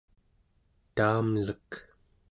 taamlek